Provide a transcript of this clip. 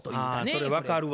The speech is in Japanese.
それ分かるわ。